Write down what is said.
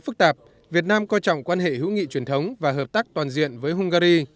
phức tạp việt nam coi trọng quan hệ hữu nghị truyền thống và hợp tác toàn diện với hungary